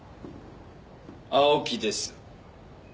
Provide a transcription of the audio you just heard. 青木です。